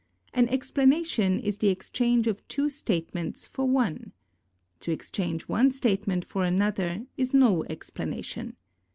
An explanation is the exchange of two statements for one. To exchange one statement for another is no explanation.